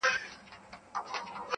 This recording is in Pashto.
د شاه شجاع د قتلېدلو وطن-